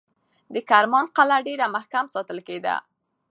د کرمان قلعه ډېر محکم ساتل کېده.